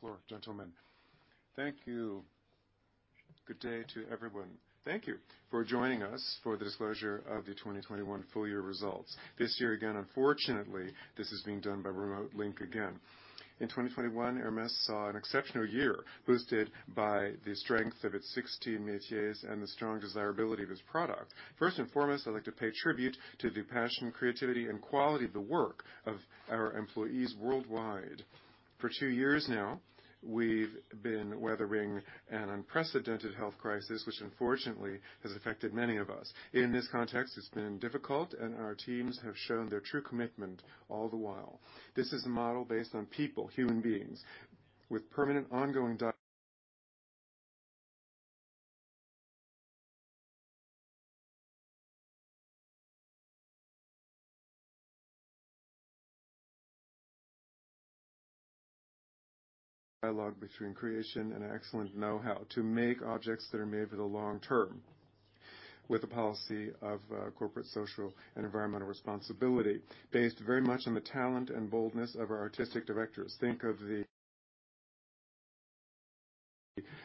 The floor, gentlemen. Thank you. Good day to everyone. Thank you for joining us for the disclosure of the 2021 full year results. This year again, unfortunately, this is being done by remote link again. In 2021, Hermès saw an exceptional year, boosted by the strength of its 16 métiers and the strong desirability of its product. First and foremost, I'd like to pay tribute to the passion, creativity and quality of the work of our employees worldwide. For two years now, we've been weathering an unprecedented health crisis, which unfortunately has affected many of us. In this context, it's been difficult and our teams have shown their true commitment all the while. This is a model based on people, human beings, with permanent ongoing dialogue between creation and excellent know-how to make objects that are made for the long term, with a policy of corporate, social and environmental responsibility, based very much on the talent and boldness of our artistic directors. Think of the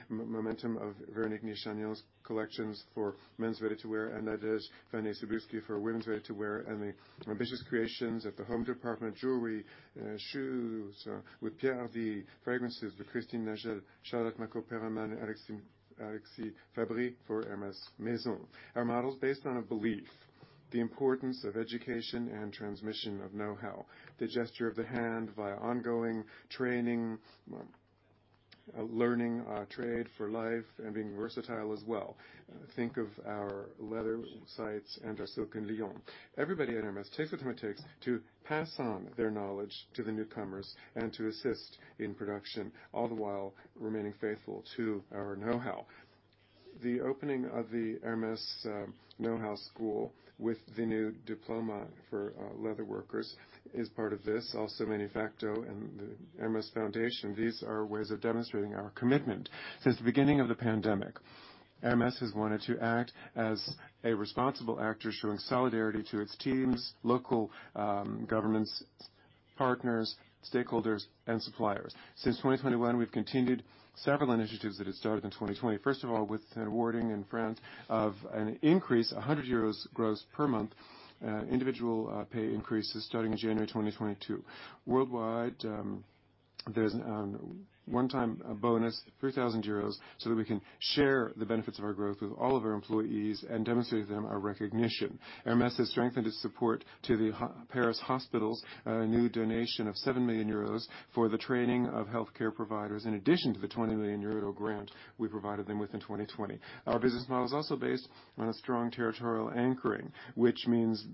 momentum of Véronique Nichanian's collections for men's ready-to-wear, and Nadège Vanhée-Cybulski for women's ready-to-wear, and the ambitious creations at the home department, jewelry, shoes, with Pierre Hardy, fragrances with Christine Nagel, Charlotte Macaux Perelman and Alexis Fabry for Hermès Maison. Our model is based on a belief, the importance of education and transmission of know-how, the gesture of the hand via ongoing training, learning our trade for life and being versatile as well. Think of our leather sites and our silk in Lyon. Everybody at Hermès takes what it takes to pass on their knowledge to the newcomers and to assist in production, all the while remaining faithful to our know-how. The opening of the Hermès Know-How School with the new diploma for leather workers is part of this, also Manufacto and the Hermès Foundation. These are ways of demonstrating our commitment. Since the beginning of the pandemic, Hermès has wanted to act as a responsible actor, showing solidarity to its teams, local governments, partners, stakeholders, and suppliers. Since 2021, we've continued several initiatives that had started in 2020. First of all, with an awarding in France of an increase, 100 euros gross per month, individual pay increases starting in January 2022. Worldwide, there's one-time bonus, 3,000 euros, so that we can share the benefits of our growth with all of our employees and demonstrate to them our recognition. Hermès has strengthened its support to the Hôpitaux de Paris, a new donation of 7 million euros for the training of healthcare providers, in addition to the 20 million euro grant we provided them with in 2020. Our business model is also based on a strong territorial anchoring, which means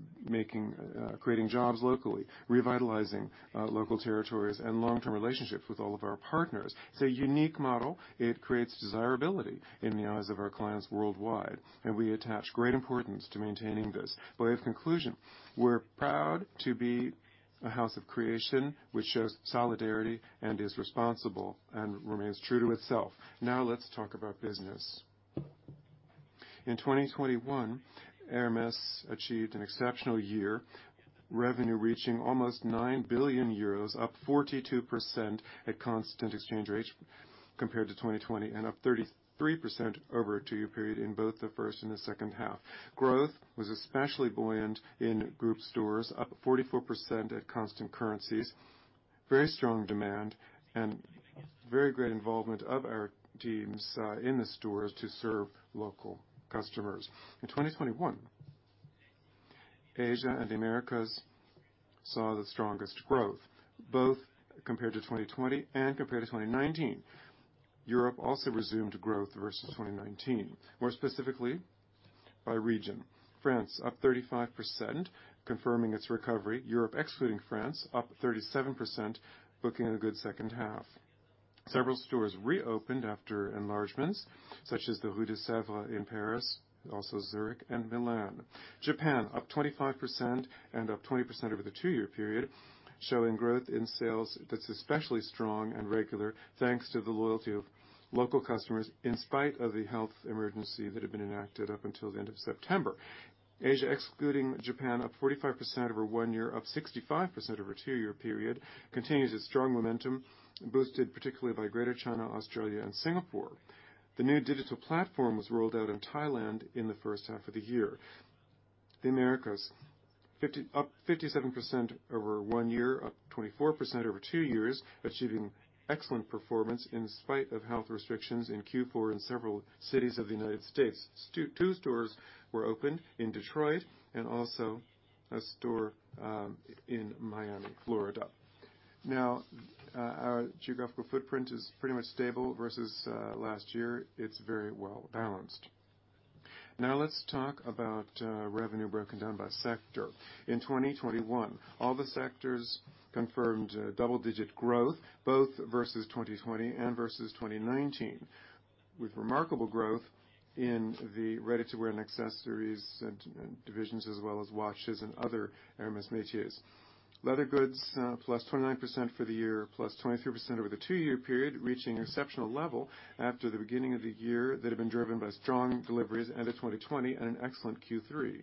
creating jobs locally, revitalizing local territories and long-term relationships with all of our partners. It's a unique model. It creates desirability in the eyes of our clients worldwide, and we attach great importance to maintaining this. By way of conclusion, we're proud to be a house of creation, which shows solidarity and is responsible and remains true to itself. Now let's talk about business. In 2021, Hermès achieved an exceptional year, revenue reaching almost 9 billion euros, up 42% at constant exchange rates compared to 2020, and up 33% over a two-year period in both the first and the second half. Growth was especially buoyant in group stores, up 44% at constant currencies. Very strong demand and very great involvement of our teams in the stores to serve local customers. In 2021, Asia and the Americas saw the strongest growth, both compared to 2020 and compared to 2019. Europe also resumed growth versus 2019. More specifically, by region. France, up 35%, confirming its recovery. Europe, excluding France, up 37%, booking a good second half. Several stores reopened after enlargements, such as the Rue de Sèvres in Paris, also Zurich and Milan. Japan, up 25% and up 20% over the two-year period, showing growth in sales that's especially strong and regular, thanks to the loyalty of local customers, in spite of the health emergency that had been enacted up until the end of September. Asia, excluding Japan, up 45% over one year, up 65% over a two-year period, continues its strong momentum, boosted particularly by Greater China, Australia and Singapore. The new digital platform was rolled out in Thailand in the first half of the year. The Americas, up 57% over one year, up 24% over two years, achieving excellent performance in spite of health restrictions in Q4 in several cities of the United States. 2 stores were opened in Detroit and also a store in Miami, Florida. Now, our geographical footprint is pretty much stable versus last year. It's very well-balanced. Now let's talk about revenue broken down by sector. In 2021, all the sectors confirmed double-digit growth, both versus 2020 and versus 2019, with remarkable growth in the Ready-to-Wear and Accessories and divisions as well as watches and other Hermès métiers. Leather Goods plus 29% for the year, plus 23% over the two-year period, reaching an exceptional level after the beginning of the year that had been driven by strong deliveries at the end of 2020 and an excellent Q3.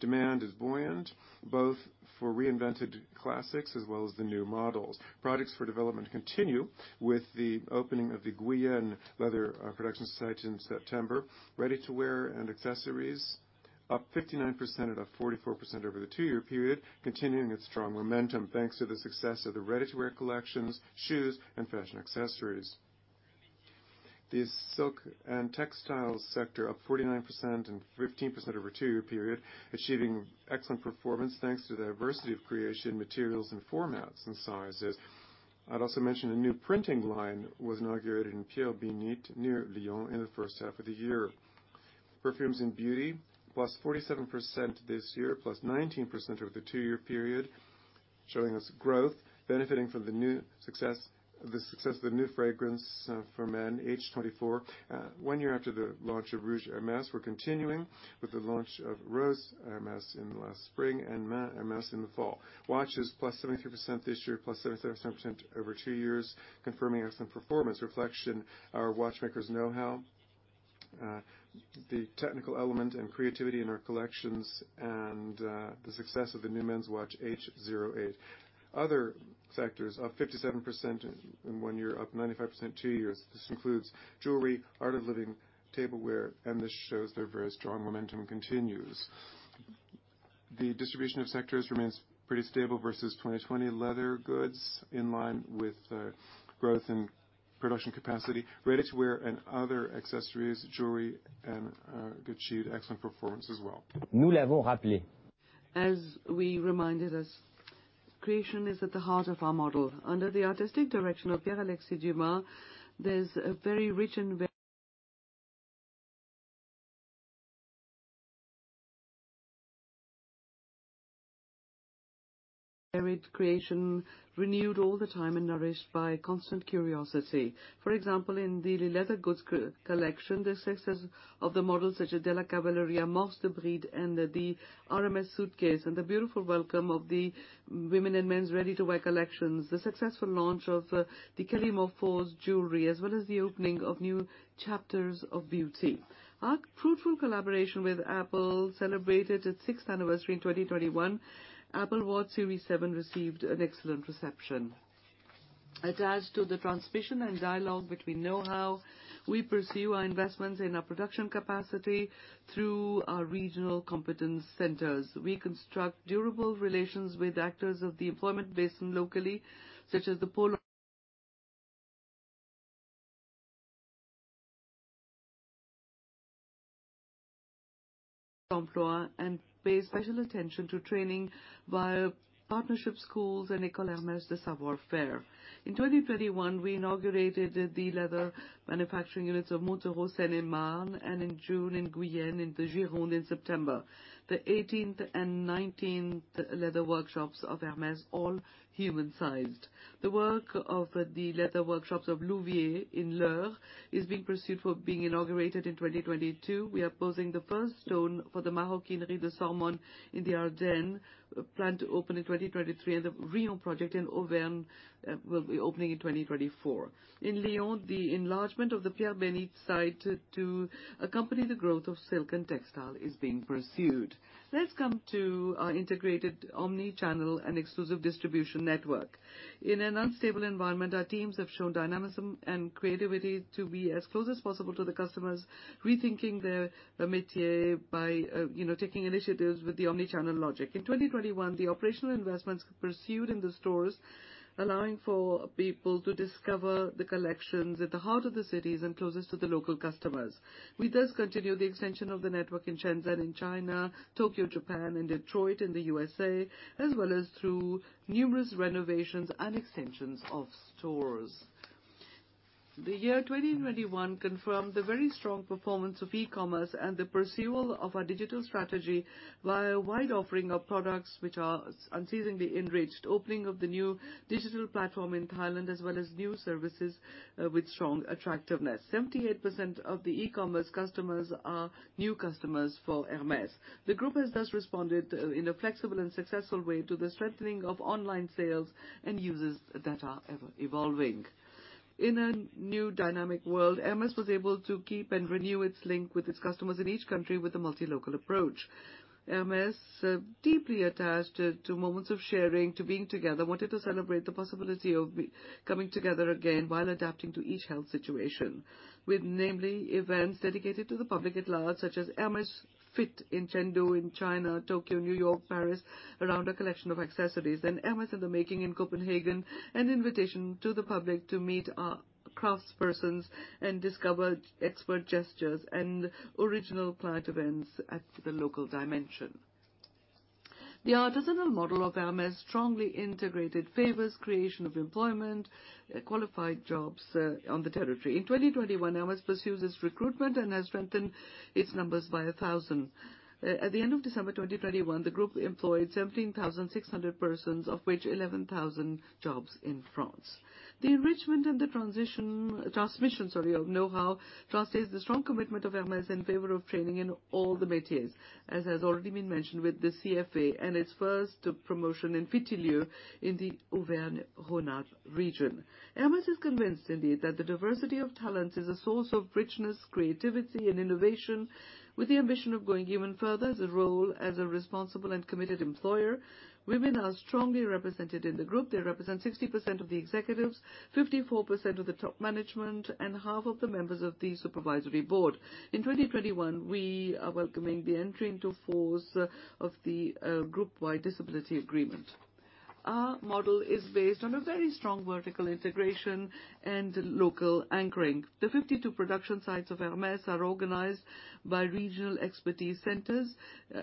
Demand is buoyant, both for reinvented classics as well as the new models. Production development continues with the opening of the Guyenne leather production site in September. Ready-to-Wear and Accessories up 59% and up 44% over the two-year period, continuing its strong momentum, thanks to the success of the ready-to-wear collections, shoes, and fashion accessories. The silk and textiles sector up 49% and 15% over two-year period, achieving excellent performance, thanks to the diversity of creation, materials, and formats, and sizes. I'd also mention a new printing line was inaugurated in Pierre-Bénite near Lyon in the first half of the year. Perfumes and beauty, +47% this year, +19% over the two-year period, showing strong growth, benefiting from the success of the new fragrance for men, H24. One year after the launch of Rouge Hermès, we're continuing with the launch of Rose Hermès in the last spring and Les Mains Hermès in the fall. Watches, +73% this year, +77% over two years, confirming excellent performance. Reflecting our watchmakers' know-how, the technical element and creativity in our collections, and the success of the new men's watch H08. Other sectors, up 57% in one year, up 95% two years. This includes jewelry, art of living, tableware, and this shows their very strong momentum continues. The distribution of sectors remains pretty stable versus 2020. Leather goods in line with growth and production capacity. Ready-to-wear and other accessories, jewelry, achieved excellent performance as well. As we reminded us, creation is at the heart of our model. Under the artistic direction of Pierre-Alexis Dumas, there's a very rich and varied creation, renewed all the time and nourished by constant curiosity. For example, in the leather goods collection, the success of the models such as the Della Cavalleria, Moss, the Bride-à-Brac, and the R.M.S. suitcase, and the beautiful welcome of the women's and men's ready-to-wear collections, the successful launch of the Calimero IV's jewelry, as well as the opening of new chapters of beauty. Our fruitful collaboration with Apple celebrated its sixth anniversary in 2021. Apple Watch Hermès Series 7 received an excellent reception. Attached to the transmission and dialogue between know-how, we pursue our investments in our production capacity through our regional competence centers. We construct durable relations with actors of the employment basin locally, such as Pôle Emploi, and pay special attention to training via partnership schools and École Hermès des savoir-faire. In 2021, we inaugurated the leather manufacturing units of Montereau in Seine-et-Marne, and in June in Guyenne, in the Gironde in September. The 18th and 19th leather workshops of Hermès, all human-sized. The work of the leather workshops of Louviers in l'Eure is being pursued for being inaugurated in 2022. We are posing the first stone for the Maroquinerie des Ardennes in the Ardennes, planned to open in 2023, and the Riom project in Auvergne will be opening in 2024. In Lyon, the enlargement of the Pierre-Bénite site to accompany the growth of silk and textile is being pursued. Let's come to our integrated omni-channel and exclusive distribution network. In an unstable environment, our teams have shown dynamism and creativity to be as close as possible to the customers, rethinking their métier by taking initiatives with the omni-channel logic. In 2021, the operational investments pursued in the stores, allowing for people to discover the collections at the heart of the cities and closest to the local customers. We thus continue the extension of the network in Shenzhen in China, Tokyo, Japan, and Detroit in the U.S.A., as well as through numerous renovations and extensions of stores. The year 2021 confirmed the very strong performance of e-commerce and the pursual of our digital strategy via a wide offering of products which are unceasingly enriched, opening of the new digital platform in Thailand, as well as new services with strong attractiveness. 78% of the E-commerce customers are new customers for Hermès. The group has thus responded in a flexible and successful way to the strengthening of online sales and users that are ever-evolving. In a new dynamic world, Hermès was able to keep and renew its link with its customers in each country with a multi-local approach. Hermès deeply attached to moments of sharing, to being together, wanted to celebrate the possibility of coming together again while adapting to each health situation. With namely events dedicated to the public at large, such as HermèsFit in Chengdu in China, Tokyo, New York, Paris, around a collection of accessories. Hermès in the Making in Copenhagen, an invitation to the public to meet our craftspersons and discover expert gestures and original client events at the local dimension. The artisanal model of Hermès, strongly integrated, favors creation of employment, qualified jobs, on the territory. In 2021, Hermès pursues its recruitment and has strengthened its numbers by 1,000. At the end of December 2021, the group employed 17,600 persons, of which 11,000 jobs in France. The enrichment and the transmission of know-how translates the strong commitment of Hermès in favor of training in all the métiers, as has already been mentioned with the CFA and its first promotion in Fitilieu in the Auvergne-Rhône-Alpes region. Hermès is convinced indeed, that the diversity of talents is a source of richness, creativity and innovation with the ambition of going even further as a role as a responsible and committed employer. Women are strongly represented in the group. They represent 60% of the executives, 54% of the top management, and 50% of the members of the supervisory board. In 2021, we are welcoming the entry into force of the group-wide disability agreement. Our model is based on a very strong vertical integration and local anchoring. The 52 production sites of Hermès are organized by regional expertise centers.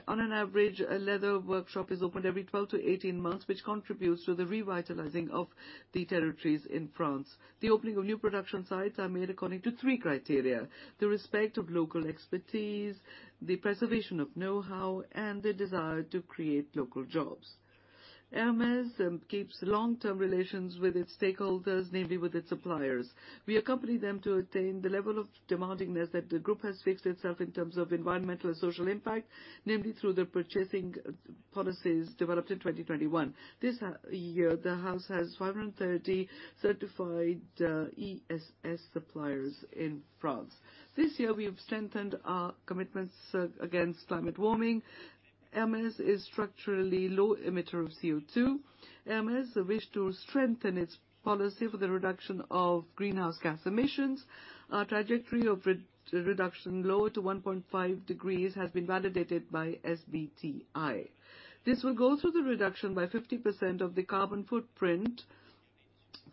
On an average, a leather workshop is opened every 12-18 months, which contributes to the revitalizing of the territories in France. The opening of new production sites are made according to three criteria, the respect of local expertise, the preservation of know-how, and the desire to create local jobs. Hermès keeps long-term relations with its stakeholders, namely with its suppliers. We accompany them to attain the level of demandingness that the group has fixed itself in terms of environmental and social impact, namely through the purchasing policies developed in 2021. This year, the house has 530 certified ESG suppliers in France. This year, we have strengthened our commitments against climate warming. Hermès is structurally low emitter of CO2. Hermès wish to strengthen its policy for the reduction of greenhouse gas emissions. Our trajectory of reduction to 1.5 degrees has been validated by SBTi. This will go through the reduction by 50% of the carbon footprint per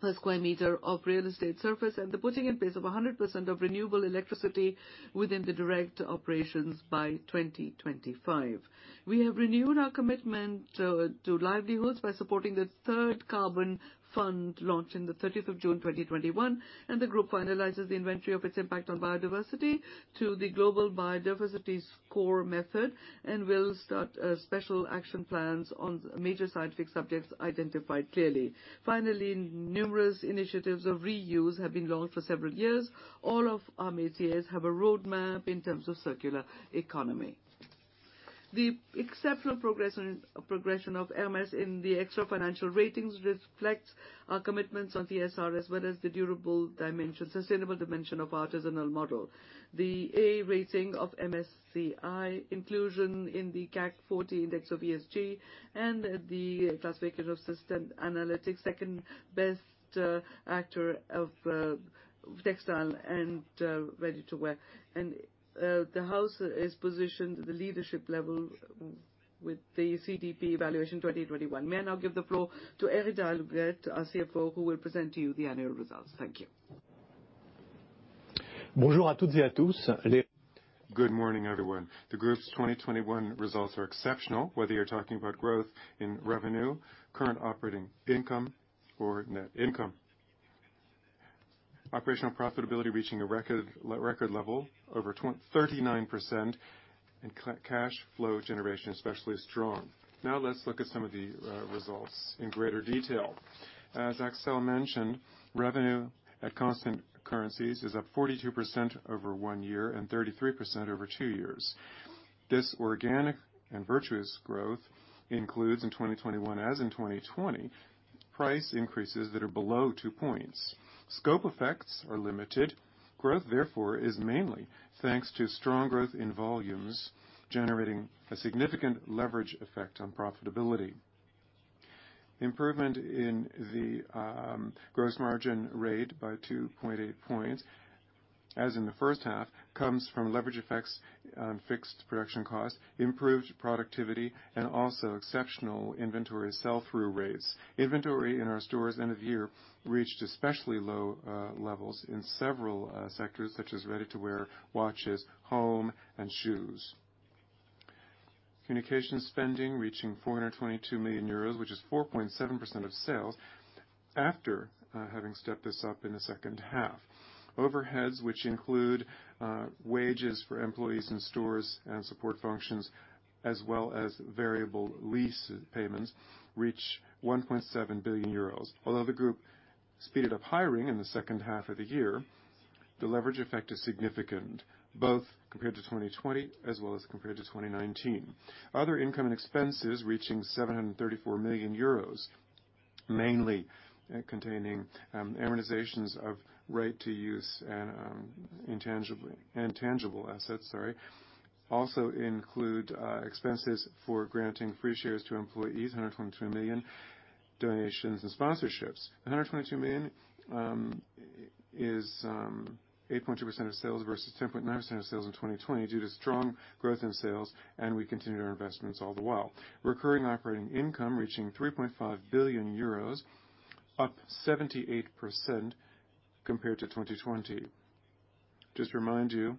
sq m of real estate surface and the putting in place of 100% of renewable electricity within the direct operations by 2025. We have renewed our commitment to Livelihoods by supporting the third carbon fund launched on the 30th of June 2021, and the group finalizes the inventory of its impact on biodiversity to the Global Biodiversity Score method and will start special action plans on major scientific subjects identified clearly. Finally, numerous initiatives of reuse have been launched for several years. All of our métiers have a roadmap in terms of circular economy. The exceptional progression of Hermès in the extra-financial ratings reflects our commitments on the RSE as well as the sustainable dimension of artisanal model. The A rating of MSCI inclusion in the CAC 40 ESG and the classification of Sustainalytics, second-best actor of textile and ready-to-wear. The house is positioned at the leadership level with the CDP evaluation 2021. May I now give the floor to Éric du Halgouët, our CFO, who will present to you the annual results. Thank you. Good morning, everyone. The group's 2021 results are exceptional, whether you're talking about growth in revenue, current operating income or net income. Operational profitability reaching a record level, over 39% and cash flow generation, especially strong. Now let's look at some of the results in greater detail. As Axel mentioned, revenue at constant currencies is up 42% over 1 year and 33% over 2 years. This organic and virtuous growth includes, in 2021, as in 2020, price increases that are below 2 points. Scope effects are limited. Growth, therefore, is mainly thanks to strong growth in volumes, generating a significant leverage effect on profitability. Improvement in the gross margin rate by 2.8 points, as in the first half, comes from leverage effects on fixed production costs, improved productivity, and also exceptional inventory sell-through rates. Inventory in our stores end of year reached especially low levels in several sectors such as ready-to-wear, watches, home, and shoes. Communication spending reaching 422 million euros, which is 4.7% of sales after having stepped this up in the second half. Overheads, which include wages for employees in stores and support functions, as well as variable lease payments, reach 1.7 billion euros. Although the group speeded up hiring in the second half of the year, the leverage effect is significant, both compared to 2020 as well as compared to 2019. Other income and expenses reaching 734 million euros, mainly containing amortizations of right to use and intangible assets, also include expenses for granting free shares to employees, 122 million, donations and sponsorships. 122 million is 8.2% of sales versus 10.9% of sales in 2020 due to strong growth in sales, and we continued our investments all the while. Recurring operating income reaching 3.5 billion euros, up 78% compared to 2020. Just to remind you,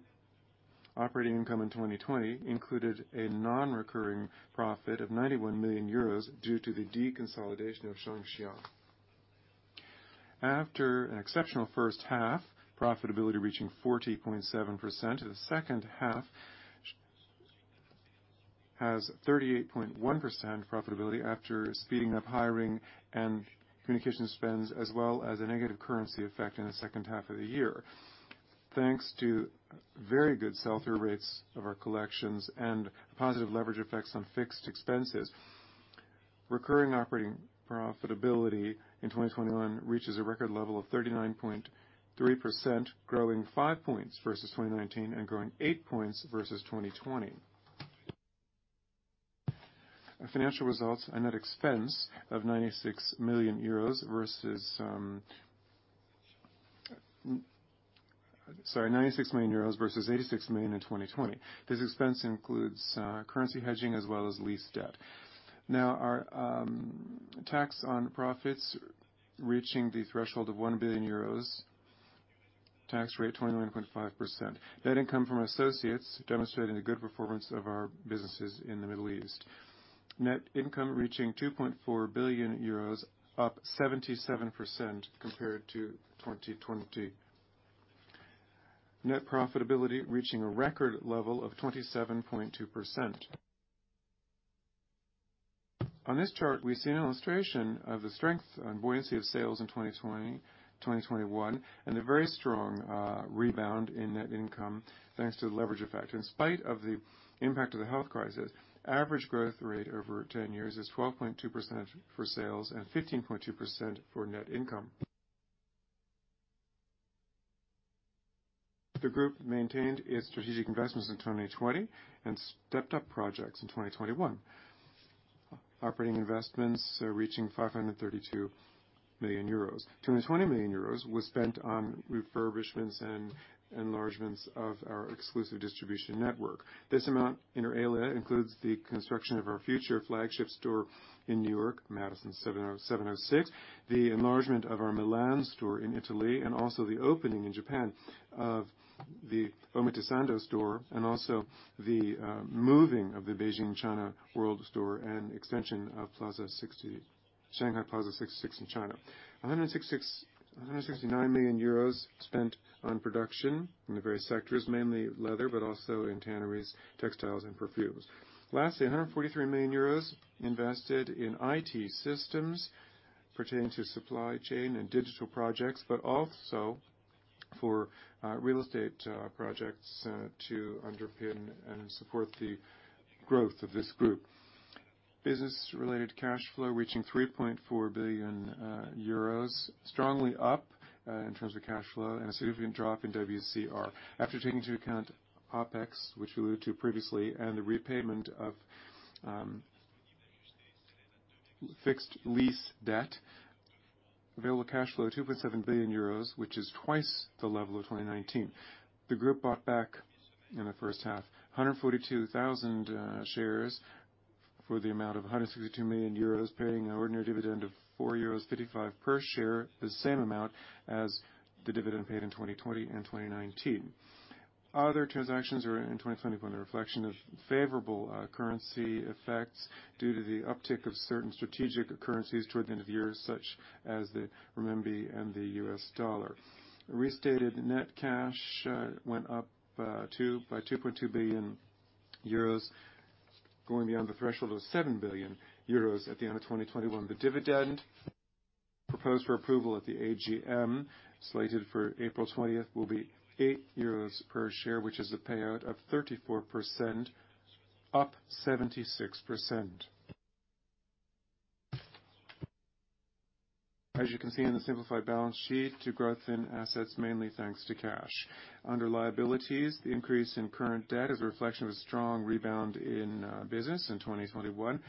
operating income in 2020 included a non-recurring profit of 91 million euros due to the deconsolidation of Shang Xia. After an exceptional first half, profitability reaching 40.7%, the second half has 38.1% profitability after speeding up hiring and communication spends, as well as a negative currency effect in the second half of the year. Thanks to very good sell-through rates of our collections and positive leverage effects on fixed expenses, recurring operating profitability in 2021 reaches a record level of 39.3%, growing 5 points versus 2019 and growing 8 points versus 2020. Our financial results, a net expense of 96 million euros versus 86 million in 2020. This expense includes currency hedging as well as lease debt. Now our tax on profits reaching the threshold of 1 billion euros. Tax rate 29.5%. Net income from associates demonstrating the good performance of our businesses in the Middle East. Net income reaching 2.4 billion euros, up 77% compared to 2020. Net profitability reaching a record level of 27.2%. On this chart, we see an illustration of the strength and buoyancy of sales in 2020, 2021, and a very strong rebound in net income thanks to the leverage effect. In spite of the impact of the health crisis, average growth rate over 10 years is 12.2% for sales and 15.2% for net income. The group maintained its strategic investments in 2020 and stepped up projects in 2021. Operating investments reaching 532 million euros. 220 million euros was spent on refurbishments and enlargements of our exclusive distribution network. This amount, inter alia, includes the construction of our future flagship store in New York, Madison 706. The enlargement of our Milan store in Italy, and also the opening in Japan of the Omotesando store, and also the moving of the Beijing, China World store and extension of Shanghai Plaza 66 in China. 169 million euros spent on production in the various sectors, mainly leather, but also in tanneries, textiles, and perfumes. Lastly, 143 million euros invested in IT systems pertaining to supply chain and digital projects, but also for real estate projects to underpin and support the growth of this group. Business-related cash flow reaching 3.4 billion euros, strongly up in terms of cash flow and a significant drop in WCR. After taking into account OpEx, which we alluded to previously, and the repayment of fixed lease debt, available cash flow 2.7 billion euros, which is twice the level of 2019. The group bought back, in the first half, 142,000 shares for the amount of 162 million euros, paying an ordinary dividend of 4.55 euros per share, the same amount as the dividend paid in 2020 and 2019. Other transactions in 2021 are a reflection of favorable currency effects due to the uptick of certain strategic currencies towards the end of the year, such as the renminbi and the US dollar. Restated net cash went up by 2.2 billion euros, going beyond the threshold of 7 billion euros at the end of 2021. The dividend proposed for approval at the AGM, slated for April 20, will be 8 euros per share, which is a payout of 34%, up 76%. As you can see in the simplified balance sheet, the growth in assets, mainly thanks to cash. Under liabilities, the increase in current debt is a reflection of a strong rebound in business in 2021.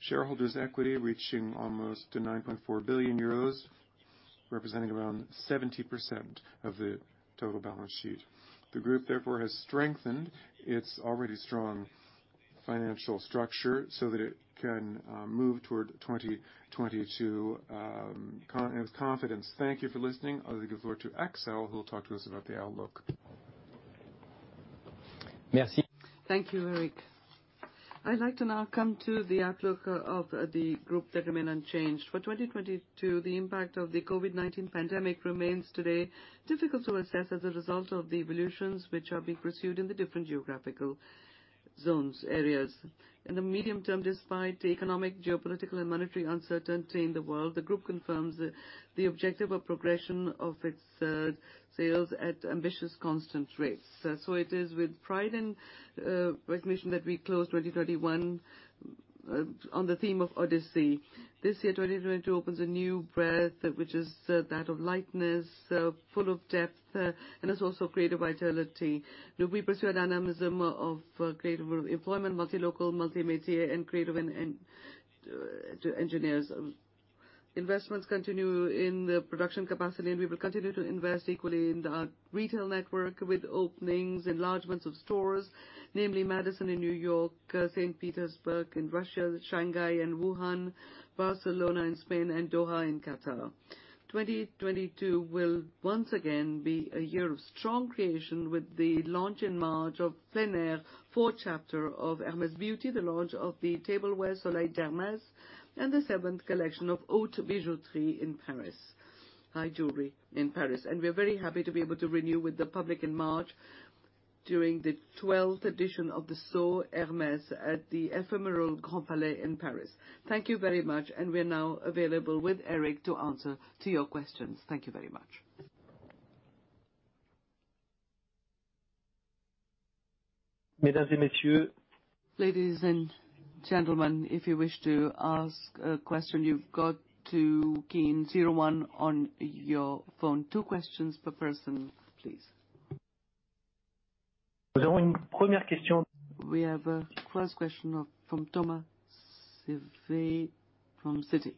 Shareholders' equity reaching almost 9.4 billion euros, representing around 70% of the total balance sheet. The group, therefore, has strengthened its already strong financial structure so that it can move toward 2022 with confidence. Thank you for listening. I'll give the floor to Axel, who will talk to us about the outlook. Merci. Thank you, Eric. I'd like to now come to the outlook of the group that remain unchanged. For 2022, the impact of the COVID-19 pandemic remains today difficult to assess as a result of the evolutions which are being pursued in the different geographical zones, areas. In the medium term, despite economic, geopolitical, and monetary uncertainty in the world, the group confirms the objective of progression of its sales at ambitious constant rates. It is with pride and recognition that we close 2021 on the theme of odyssey. This year, 2022 opens a new breath, which is that of lightness full of depth, and there's also creative vitality. We pursue an animation of creative employment, multi-local, multi-métier and creative and to engineers. Investments continue in the production capacity, and we will continue to invest equally in our retail network with openings, enlargements of stores, namely Madison in New York, St. Petersburg in Russia, Shanghai and Wuhan, Barcelona in Spain, and Doha in Qatar. 2022 will once again be a year of strong creation with the launch in March of Plein Air, fourth chapter of Hermès Beauty, the launch of the tableware, Soleil d'Hermès, and the seventh collection of Haute Bijouterie in Paris, high jewelry in Paris. We're very happy to be able to renew with the public in March during the twelfth edition of the Saut Hermès at the ephemeral Grand Palais in Paris. Thank you very much, and we're now available with Eric to answer to your questions. Thank you very much. Ladies and gentlemen, if you wish to ask a question, you've got to key in zero one on your phone. Two questions per person, please. We have a first question from Thomas Chauvet from Citi.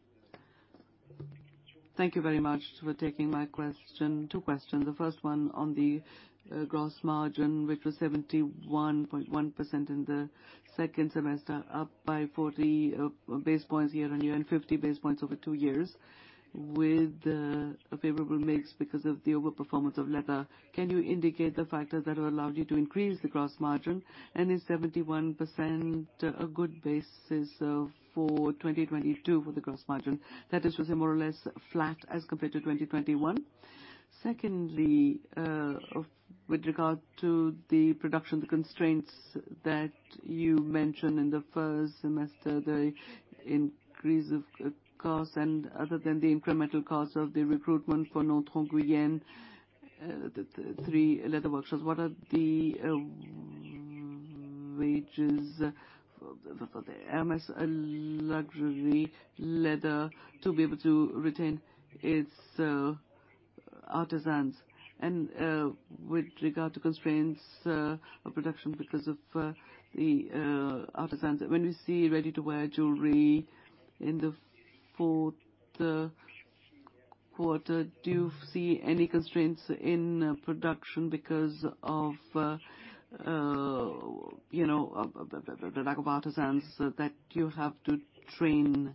Thank you very much for taking my question. Two questions. The first one on the gross margin, which was 71.1% in the second semester, up by 40 basis points year-on-year, and 50 basis points over two years with a favorable mix because of the over-performance of leather. Can you indicate the factors that have allowed you to increase the gross margin? And is 71% a good basis for 2022 for the gross margin? That is, was it more or less flat as compared to 2021? Secondly, with regard to the production constraints that you mentioned in the first semester, the increase of cost, and other than the incremental cost of the recruitment for Nantes, Guyenne, the three leather workshops, what are the wages for the Hermès luxury leather to be able to retain its artisans? With regard to constraints of production because of the artisans, when we see ready-to-wear jewelry in the fourth quarter, do you see any constraints in production because of you know, the lack of artisans that you have to train?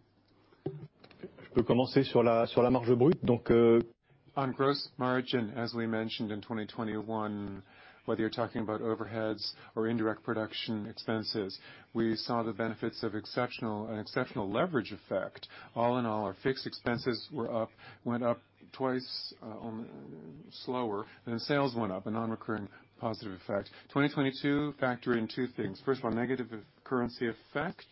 On gross margin, as we mentioned in 2021, whether you're talking about overheads or indirect production expenses, we saw the benefits of an exceptional leverage effect. All in all, our fixed expenses went up twice slower than sales went up, a non-recurring positive effect. 2022, factor in two things. First of all, negative currency effect,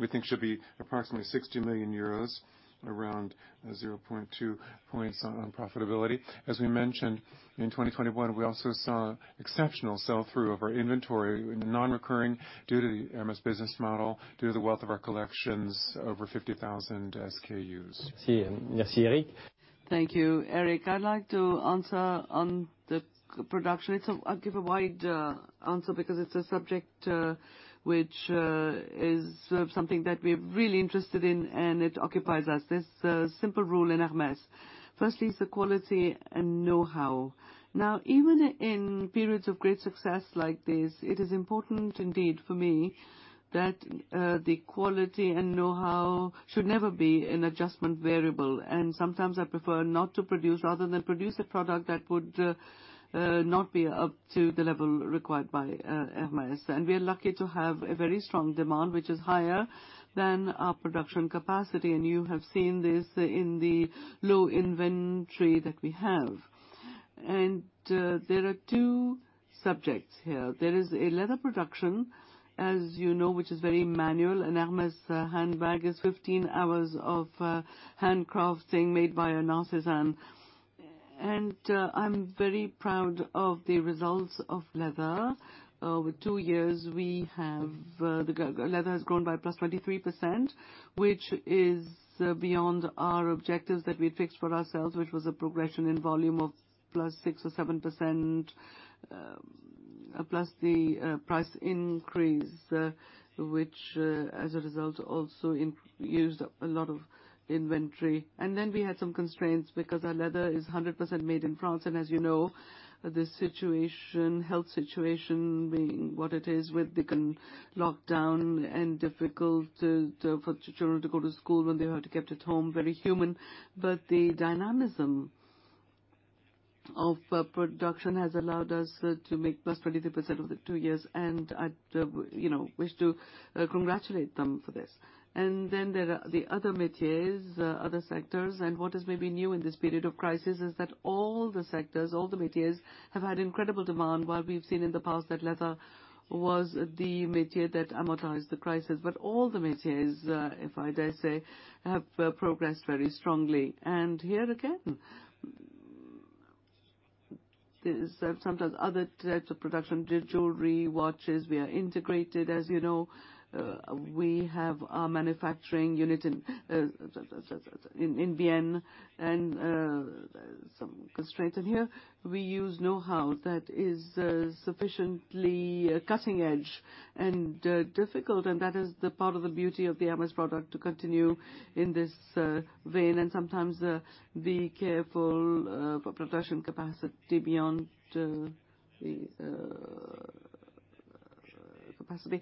we think should be approximately 60 million euros, around 0.2 points on profitability. As we mentioned, in 2021, we also saw exceptional sell-through of our inventory, non-recurring due to the Hermès business model, due to the wealth of our collections, over 50,000 SKUs. Thank you, Eric. I'd like to answer on the production. I'll give a wide answer because it's a subject which is something that we're really interested in, and it occupies us. There's a simple rule in Hermès. Firstly, it's the quality and know-how. Now, even in periods of great success like this, it is important indeed for me that the quality and know-how should never be an adjustment variable. Sometimes I prefer not to produce rather than produce a product that would not be up to the level required by Hermès. We are lucky to have a very strong demand, which is higher than our production capacity. You have seen this in the low inventory that we have. There are two subjects here. There is a leather production, as you know, which is very manual. An Hermès handbag is 15 hours of handcrafting made by an artisan. I'm very proud of the results of leather. In 2 years, the leather goods have grown by +23%, which is beyond our objectives that we had fixed for ourselves, which was a progression in volume of +6% or 7%, plus the price increase, which as a result also induced a lot of inventory. Then we had some constraints because our leather is 100% made in France. As you know, the health situation being what it is with the lock-down and difficult for children to go to school when they had to be kept at home, very human. The dynamism of production has allowed us to make +23% over the two years, and I'd, you know, wish to congratulate them for this. Then there are the other métiers, other sectors. What is maybe new in this period of crisis is that all the sectors, all the métiers, have had incredible demand, while we've seen in the past that leather was the métier that amortized the crisis. All the métiers, if I dare say, have progressed very strongly. Here again, there's sometimes other types of production, the jewelry, watches. We are integrated, as you know. We have our manufacturing unit in Bienne, and some constraints in here. We use know-how that is sufficiently cutting-edge and difficult. That is the part of the beauty of the Hermès product to continue in this vein and sometimes be careful for production capacity beyond the capacity.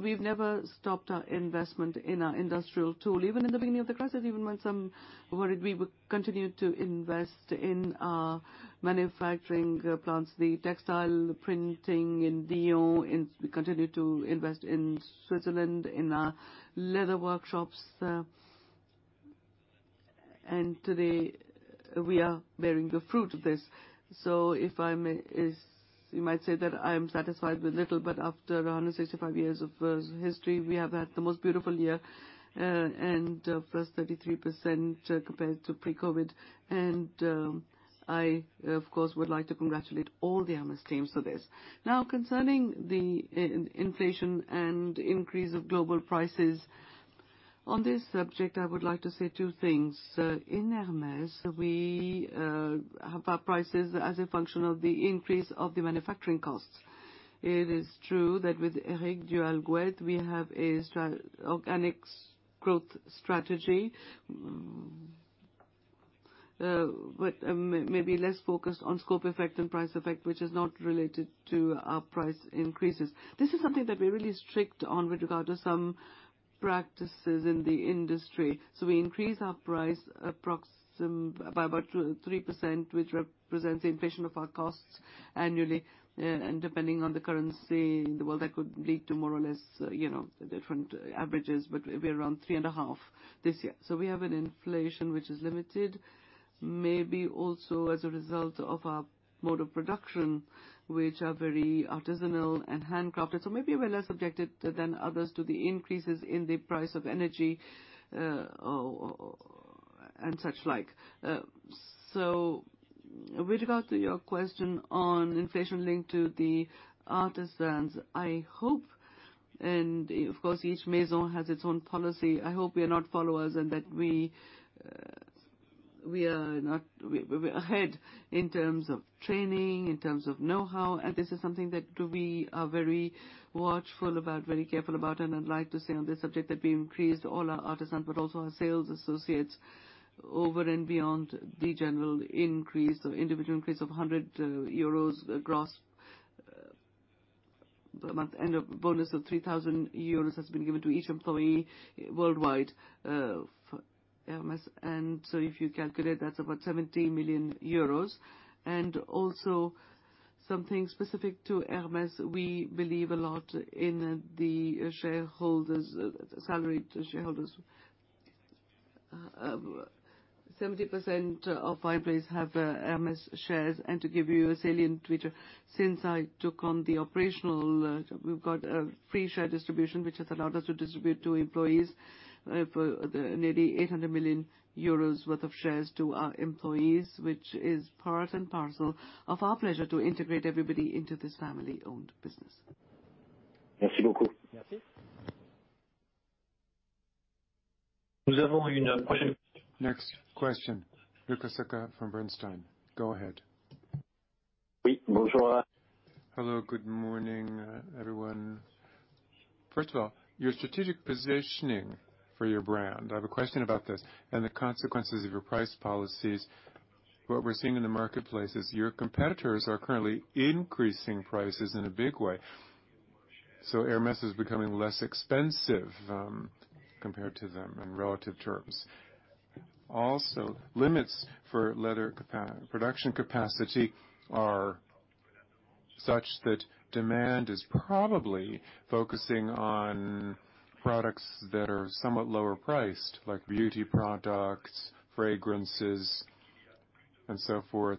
We've never stopped our investment in our industrial tool. Even in the beginning of the crisis, even when some worried, we continued to invest in our manufacturing plants, the textile printing in Pierre-Bénite. We continued to invest in Switzerland, in our leather workshops. Today, we are bearing the fruit of this. If I may, you might say that I am satisfied with little, but after 165 years of history, we have had the most beautiful year, and +33% compared to pre-COVID. Of course, I would like to congratulate all the Hermès teams for this. Now, concerning the inflation and increase of global prices. On this subject, I would like to say two things. In Hermès, we have our prices as a function of the increase of the manufacturing costs. It is true that with Éric du Halgouët, we have a strong organic growth strategy. Maybe less focused on scope effect and price effect, which is not related to our price increases. This is something that we're really strict on with regard to some practices in the industry. We increase our price approximately by about 2-3%, which represents inflation of our costs annually. Depending on the currency in the world, that could lead to more or less different averages, but we're around 3.5% this year. We have an inflation which is limited, maybe also as a result of our mode of production, which are very artisanal and handcrafted. Maybe we're less subjected than others to the increases in the price of energy and such like. With regard to your question on inflation linked to the artisans, I hope, and of course, each maison has its own policy. I hope we are not followers and that we're ahead in terms of training, in terms of know-how, and this is something that we are very watchful about, very careful about. I'd like to say on this subject that we increased all our artisans, but also our sales associates over and beyond the general increase or individual increase of 100 euros gross per month, and a bonus of 3000 euros has been given to each employee worldwide for Hermès. If you calculate, that's about 70 million euros. Also something specific to Hermès, we believe a lot in the shareholders, salaried shareholders. 70% of employees have Hermès shares. To give you a salient feature, since I took on the operational, we've got a free share distribution, which has allowed us to distribute to employees for nearly 800 million euros worth of shares to our employees, which is part and parcel of our pleasure to integrate everybody into this family-owned business. Next question, Luca Solca from Sanford C. Bernstein. Go ahead. Hello, good morning, everyone. First of all, your strategic positioning for your brand, I have a question about this, and the consequences of your price policies. What we're seeing in the marketplace is your competitors are currently increasing prices in a big way. Hermès is becoming less expensive, compared to them in relative terms. Also, limits for leather production capacity are such that demand is probably focusing on products that are somewhat lower priced, like beauty products, fragrances, and so forth.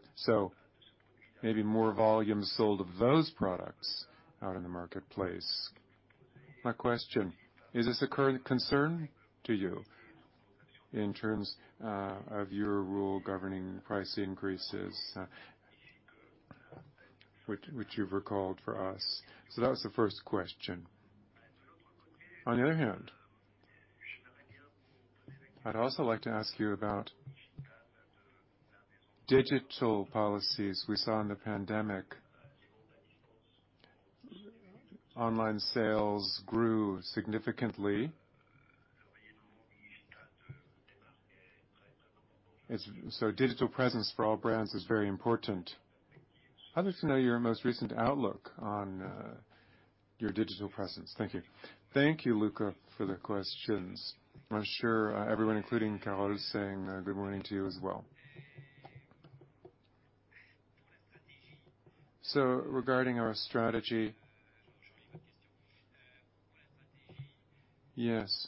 Maybe more volume sold of those products out in the marketplace. My question, is this a current concern to you in terms, of your rule governing price increases, which you've recalled for us? That was the first question. On the other hand, I'd also like to ask you about digital policies we saw in the pandemic. Online sales grew significantly. Digital presence for all brands is very important. I'd like to know your most recent outlook on your digital presence. Thank you. Thank you, Luca Solca, for the questions. I'm sure everyone, including Charles-Louis Scotti, is saying good morning to you as well. Regarding our strategy. Yes.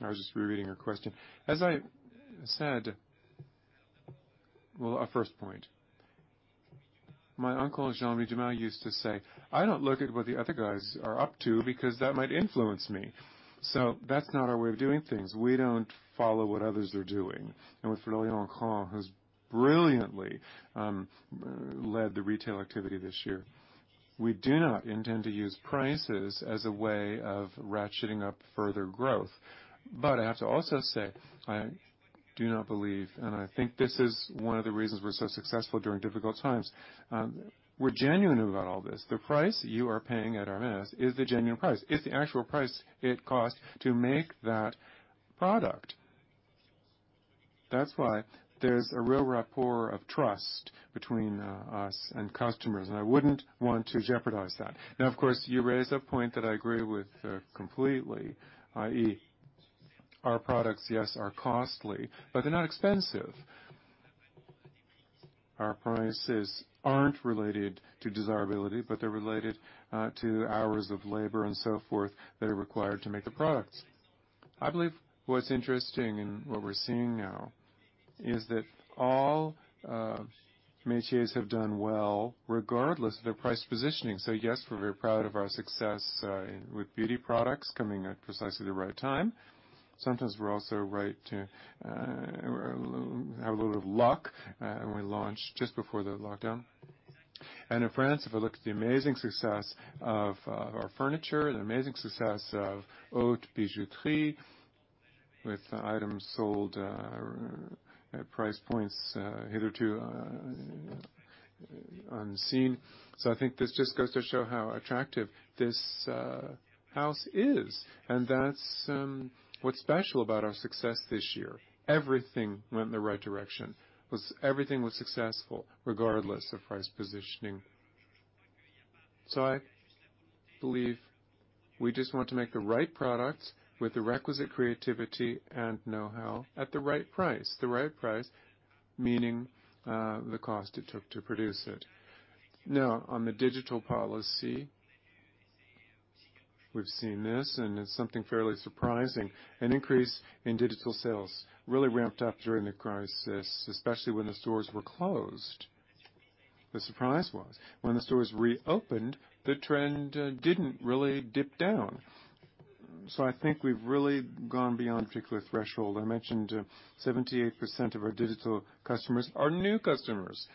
I was just rereading your question. As I said, well, a first point. My uncle, Jean-Louis Dumas, used to say, "I don't look at what the other guys are up to because that might influence me." That's not our way of doing things. We don't follow what others are doing. With Florian Craen, who's brilliantly led the retail activity this year, we do not intend to use prices as a way of ratcheting up further growth. I have to also say, I do not believe, and I think this is one of the reasons we're so successful during difficult times, we're genuine about all this. The price you are paying at Hermès is the genuine price. It's the actual price it costs to make that product. That's why there's a real rapport of trust between us and customers, and I wouldn't want to jeopardize that. Now, of course, you raise a point that I agree with completely, i.e., our products, yes, are costly, but they're not expensive. Our prices aren't related to desirability, but they're related to hours of labor and so forth that are required to make the products. I believe what's interesting and what we're seeing now is that all métiers have done well regardless of their price positioning. Yes, we're very proud of our success with beauty products coming at precisely the right time. Sometimes we have a little bit of luck, and we launch just before the lock-down. In France, if I look at the amazing success of our furniture, the amazing success of Haute Bijouterie, with items sold at price points hitherto unseen. I think this just goes to show how attractive this house is, and that's what's special about our success this year. Everything went in the right direction. Everything was successful, regardless of price positioning. I believe we just want to make the right products with the requisite creativity and know-how at the right price. The right price, meaning the cost it took to produce it. Now, on the digital policy, we've seen this, and it's something fairly surprising. An increase in digital sales really ramped up during the crisis, especially when the stores were closed. The surprise was when the stores reopened, the trend didn't really dip down. I think we've really gone beyond a particular threshold. I mentioned 78% of our digital customers are new customers.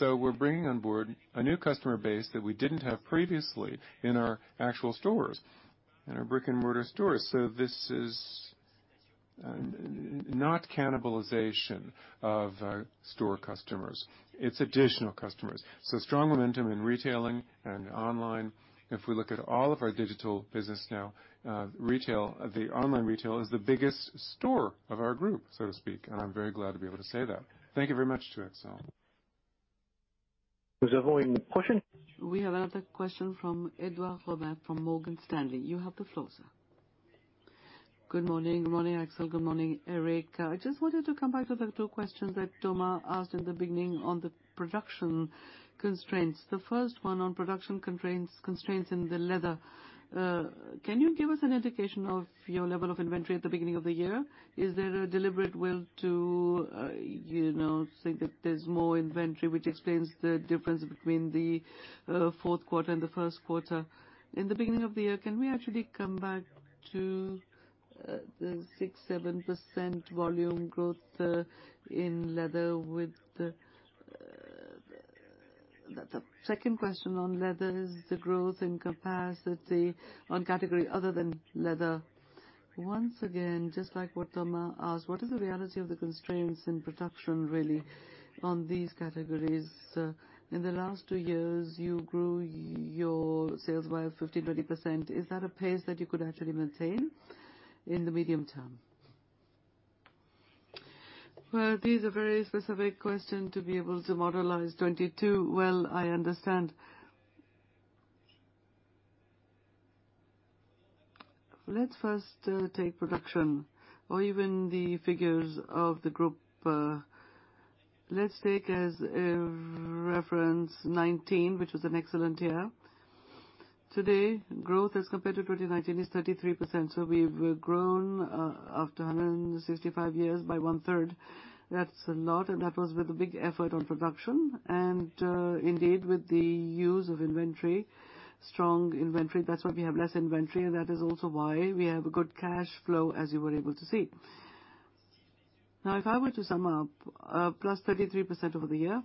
We're bringing on board a new customer base that we didn't have previously in our actual stores, in our brick-and-mortar stores. This is not cannibalization of our store customers. It's additional customers. Strong momentum in retailing and online. If we look at all of our digital business now, retail, the online retail is the biggest store of our group, so to speak, and I'm very glad to be able to say that. Thank you very much to Axel. Is there following question? We have another question from Édouard Aubin from Morgan Stanley. You have the floor, sir. Good morning. Good morning, Axel. Good morning, Éric. Just wanted to come back to the two questions that Thomas Chauvet asked in the beginning on the production constraints. The first one on production constraints in the leather. Can you give us an indication of your level of inventory at the beginning of the year? Is there a deliberate will to, you know, think that there's more inventory, which explains the difference between the fourth quarter and the first quarter? In the beginning of the year, can we actually come back to the 6%-7% volume growth in leather with the. The second question on leather is the growth in capacity on category other than leather. Once again, just like what Thomas asked, what is the reality of the constraints in production really on these categories? In the last two years, you grew your sales by 15-20%. Is that a pace that you could actually maintain in the medium term? Well, these are very specific questions to be able to modelize 2022. Well, I understand. Let's first take production or even the figures of the group. Let's take as a reference 2019, which was an excellent year. Today, growth as compared to 2019 is 33%, so we've grown, after 165 years by one-third. That's a lot, and that was with a big effort on production and, indeed with the use of inventory, strong inventory. That's why we have less inventory, and that is also why we have a good cash flow, as you were able to see. Now, if I were to sum up, +33% over the year.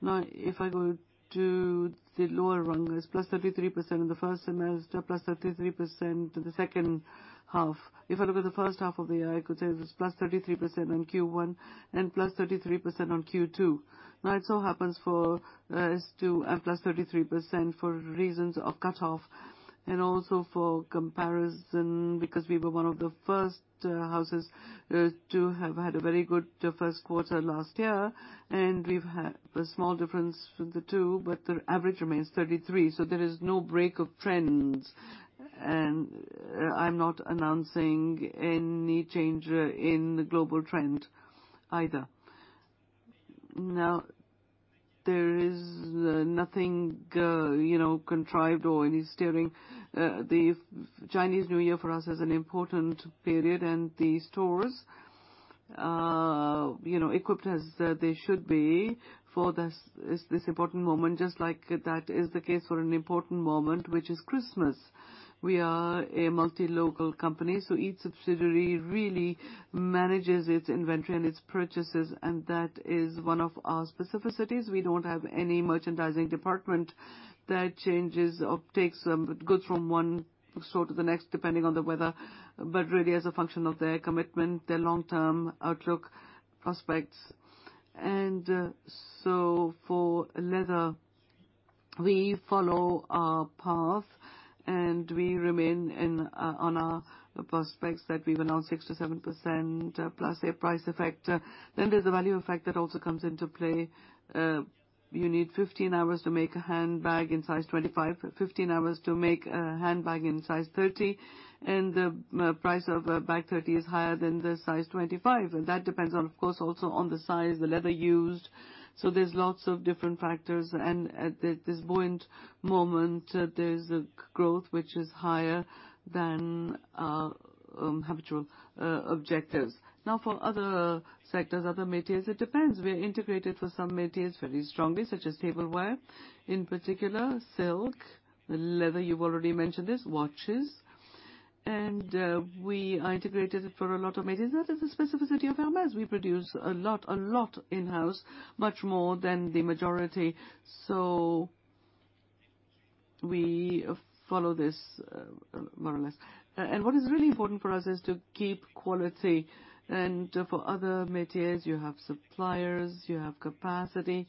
Now, if I go to the lower rungs, +33% in the first semester, +33% in the second half. If I look at the first half of the year, I could say it was +33% on Q1 and +33% on Q2. Now, it so happens for us to add +33% for reasons of cutoff and also for comparison because we were one of the first houses to have had a very good first quarter last year, and we've had a small difference for the two, but the average remains 33%. There is no break of trends, and I'm not announcing any change in the global trend either. Now, there is nothing, you know, contrived or any steering. The Chinese New Year for us is an important period, and the stores, you know, equipped as they should be for this important moment, just like that is the case for an important moment, which is Christmas. We are a multi-local company, so each subsidiary really manages its inventory and its purchases, and that is one of our specificities. We don't have any merchandising department that changes or goes from one store to the next, depending on the weather, but really as a function of their commitment, their long-term outlook prospects. For leather, we follow our path, and we remain on our prospects that we've announced 6%-7% plus a price effect. There's the value effect that also comes into play. You need 15 hours to make a handbag in size 25, 15 hours to make a handbag in size 30, and the price of a bag 30 is higher than the size 25. That depends on, of course, also on the size, the leather used. There's lots of different factors. At this buoyant moment, there's a growth which is higher than habitual objectives. Now for other sectors, other métiers, it depends. We are integrated for some métiers very strongly, such as tableware, in particular silk, leather, you've already mentioned this, watches. We are integrated for a lot of métiers. That is the specificity of Hermès. We produce a lot in-house, much more than the majority. We follow this, more or less. What is really important for us is to keep quality. For other métiers, you have suppliers, you have capacity,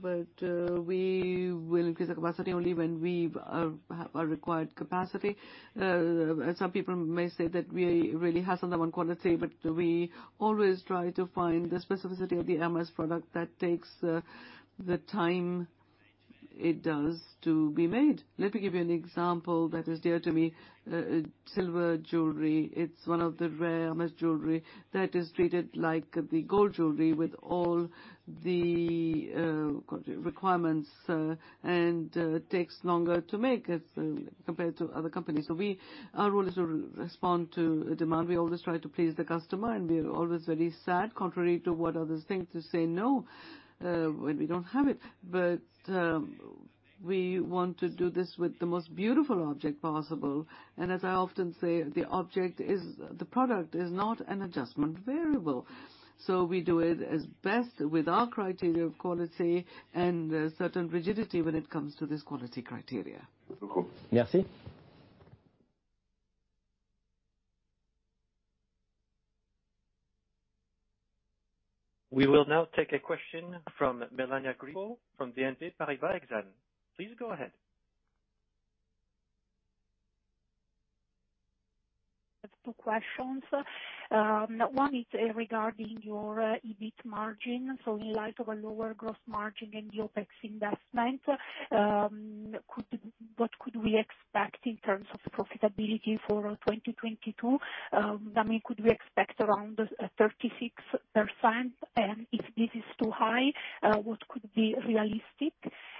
but we will increase the capacity only when we have a required capacity. Some people may say that we really hassle them on quality, but we always try to find the specificity of the Hermès product that takes the time it does to be made. Let me give you an example that is dear to me. Silver jewelry, it's one of the rare Hermès jewelry that is treated like the gold jewelry with all the requirements and takes longer to make as compared to other companies. Our role is to respond to demand. We always try to please the customer, and we are always very sad, contrary to what others think, to say no, when we don't have it. We want to do this with the most beautiful object possible, and as I often say, the product is not an adjustment variable. We do it as best with our criteria of quality and a certain rigidity when it comes to this quality criteria. Merci. We will now take a question from Melania Grippo from BNP Paribas Exane. Please go ahead. I have two questions. One is regarding your EBIT margin. In light of a lower gross margin and the OpCx investment, what could we expect in terms of profitability for 2022? I mean, could we expect around 36%? And if this is too high, what could be realistic?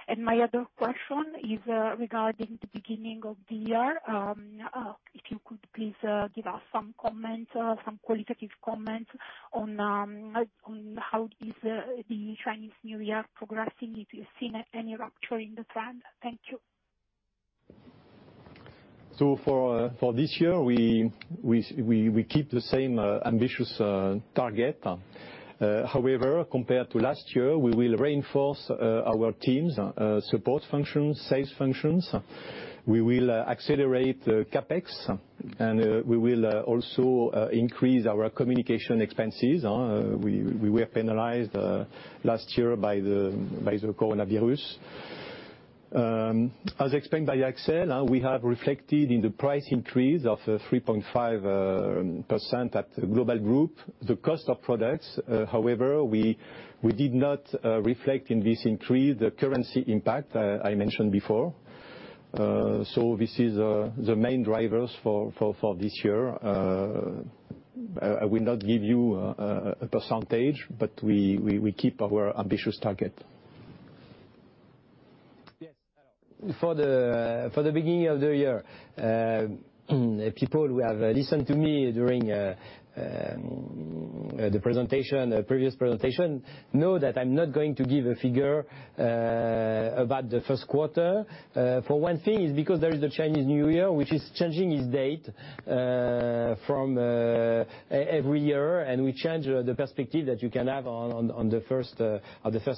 And my other question is regarding the beginning of the year. If you could please give us some comments, some qualitative comments on how the Chinese New Year is progressing, if you've seen any rupture in the trend. Thank you. For this year, we keep the same ambitious target. However, compared to last year, we will reinforce our teams, support functions, sales functions. We will accelerate the CapEx, and we will also increase our communication expenses. We were penalized last year by the coronavirus. As explained by Axel, we have reflected in the price increase of 3.5% at global group, the cost of products. However, we did not reflect in this increase the currency impact I mentioned before. This is the main drivers for this year. I will not give you a percentage, but we keep our ambitious target. Yes. For the beginning of the year, people who have listened to me during the previous presentation know that I'm not going to give a figure about the first quarter. For one thing, it's because there is a Chinese New Year, which is changing its date from every year, and we change the perspective that you can have on the first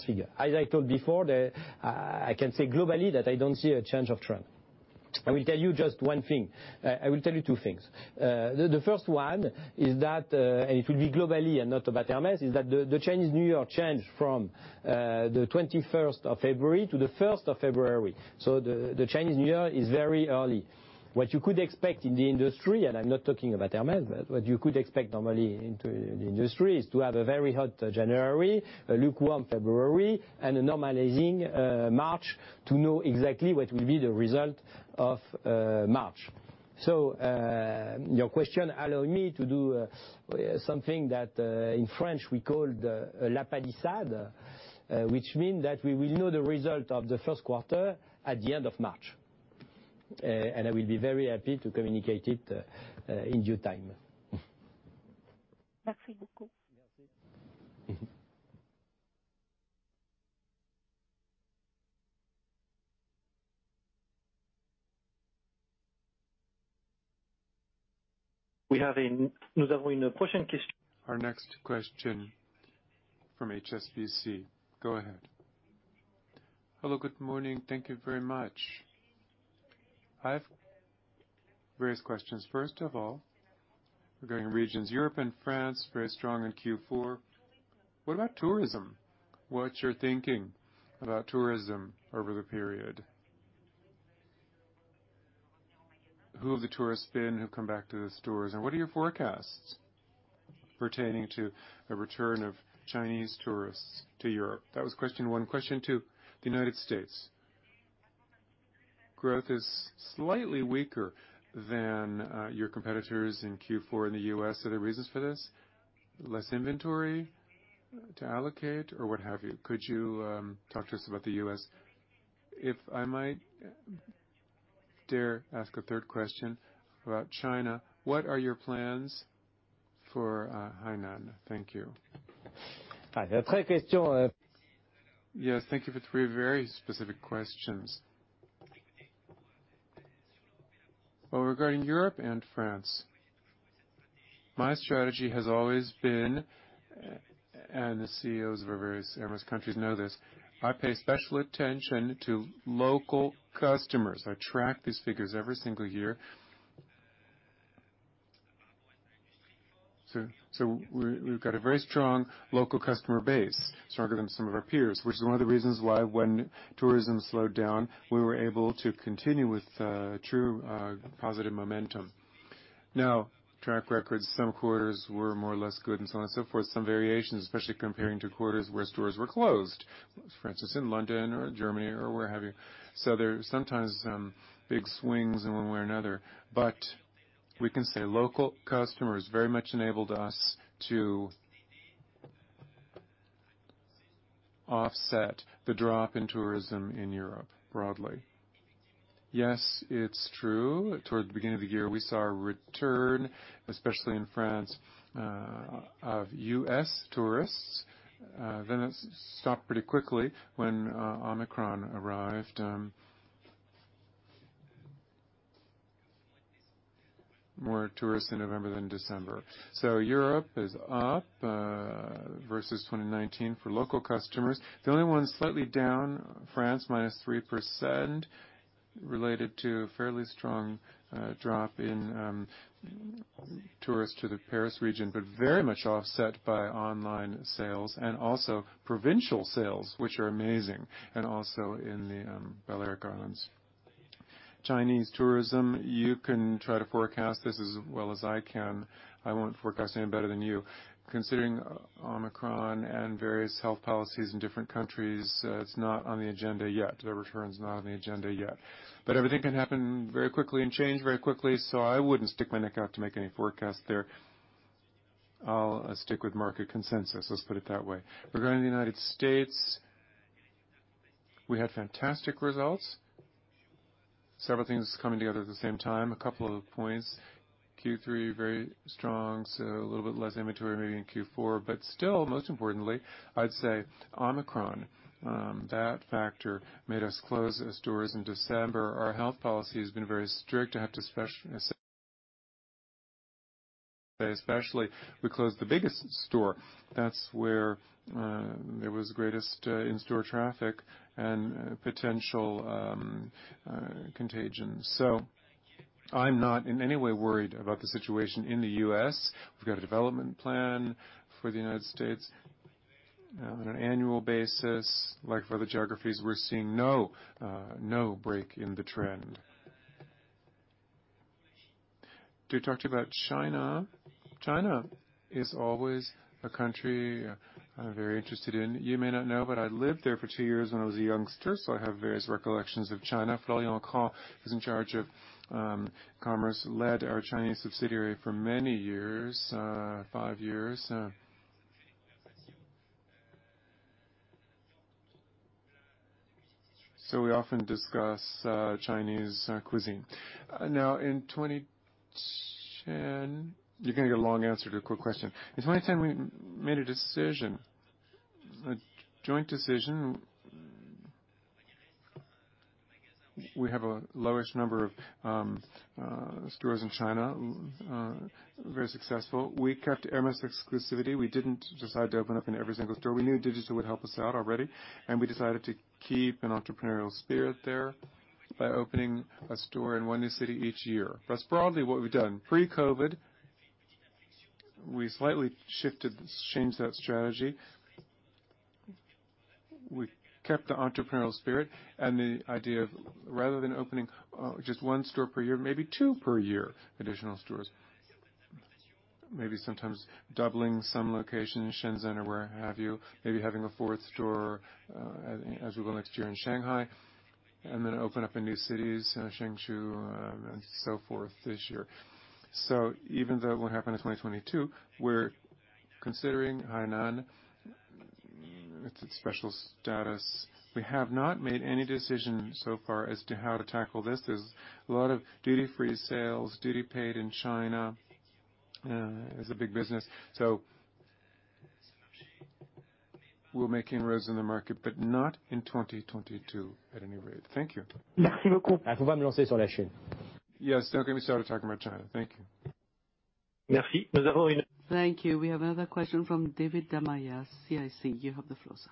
figure. As I told before, I can say globally that I don't see a change of trend. I will tell you just one thing. I will tell you two things. The first one is that it will be globally and not about Hermès, is that the Chinese New Year changed from the 21st of February to the 1st of February. The Chinese New Year is very early. What you could expect in the industry, and I'm not talking about Hermès, but what you could expect normally in the industry is to have a very hot January, a lukewarm February, and a normalizing March to know exactly what will be the result of March. Your question allow me to do something that in French we call the lapalissade, which mean that we will know the result of the first quarter at the end of March. And I will be very happy to communicate it in due time. Merci beaucoup. Merci. We have a Our next question from HSBC. Go ahead. Hello, good morning. Thank you very much. I have various questions. First of all, regarding regions, Europe and France, very strong in Q4. What about tourism? What's your thinking about tourism over the period? Who have the tourists been who come back to the stores, and what are your forecasts pertaining to the return of Chinese tourists to Europe? That was question one. Question two, the United States. Growth is slightly weaker than your competitors in Q4 in the U.S. Are there reasons for this? Less inventory to allocate or what have you? Could you talk to us about the U.S.? If I might dare ask a third question about China, what are your plans for Hainan? Thank you. The third question. Yes. Thank you for three very specific questions. Well, regarding Europe and France, my strategy has always been, and the CEOs of our various Hermès countries know this, I pay special attention to local customers. I track these figures every single year. We've got a very strong local customer base, stronger than some of our peers, which is one of the reasons why when tourism slowed down, we were able to continue with truly positive momentum. Now, track records, some quarters were more or less good and so on and so forth. Some variations, especially comparing to quarters where stores were closed, for instance, in London or Germany or where have you. There's sometimes big swings in one way or another. We can say local customers very much enabled us to offset the drop in tourism in Europe broadly. Yes, it's true, towards the beginning of the year, we saw a return, especially in France, of U.S. tourists. Then it stopped pretty quickly when Omicron arrived. More tourists in November than December. Europe is up versus 2019 for local customers. The only one slightly down, France, -3%, related to a fairly strong drop in tourists to the Paris region, but very much offset by online sales and also provincial sales, which are amazing, and also in the Balearic Islands. Chinese tourism, you can try to forecast this as well as I can. I won't forecast any better than you. Considering Omicron and various health policies in different countries, it's not on the agenda yet. The return's not on the agenda yet. Everything can happen very quickly and change very quickly, so I wouldn't stick my neck out to make any forecast there. I'll stick with market consensus, let's put it that way. Regarding the United States, we had fantastic results. Several things coming together at the same time. A couple of points. Q3, very strong, so a little bit less inventory maybe in Q4. Still, most importantly, I'd say Omicron, that factor made us close stores in December. Our health policy has been very strict, especially, we closed the biggest store. That's where there was the greatest in-store traffic and potential contagion. So I'm not in any way worried about the situation in the U.S. We've got a development plan for the United States. On an annual basis, like for other geographies, we're seeing no break in the trend. Let me talk about China. China is always a country I'm very interested in. You may not know, but I lived there for 2 years when I was a youngster, so I have various recollections of China. Florian Craen is in charge of commerce, led our Chinese subsidiary for many years, 5 years. We often discuss Chinese cuisine. Now in 2010, you're gonna get a long answer to a quick question. In 2010, we made a decision, a joint decision. We have a low-ish number of stores in China, very successful. We kept Hermès exclusivity. We didn't decide to open up in every single store. We knew digital would help us out already, and we decided to keep an entrepreneurial spirit there by opening a store in one new city each year. That's broadly what we've done. Pre-COVID, we slightly shifted, changed that strategy. We kept the entrepreneurial spirit and the idea of rather than opening just one store per year, maybe two per year, additional stores. Maybe sometimes doubling some locations, Shenzhen or where have you. Maybe having a fourth store as we go next year in Shanghai, and then open up in new cities, Zhengzhou, and so forth this year. So even though it won't happen in 2022, we're considering Hainan. It's a special status. We have not made any decision so far as to how to tackle this. There's a lot of duty-free sales, duty paid in China is a big business. We're making inroads in the market, but not in 2022 at any rate. Thank you. Yes, don't get me started talking about China. Thank you. Thank you. We have another question from David Tamisier, CIC. You have the floor, sir.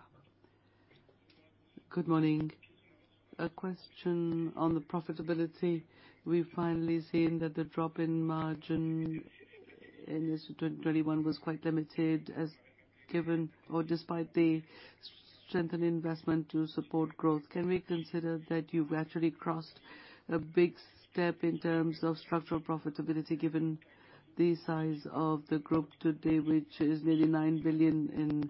Good morning. A question on the profitability. We've finally seen that the drop in margin in this 2021 was quite limited as given or despite the strengthened investment to support growth. Can we consider that you've actually crossed a big step in terms of structural profitability given the size of the group today, which is nearly 9 billion in